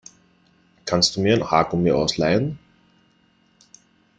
Kannst du mir ein Haargummi ausleihen?